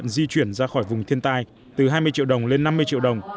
di chuyển ra khỏi vùng thiên tai từ hai mươi triệu đồng lên năm mươi triệu đồng